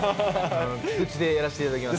菊池でやらせていただきます。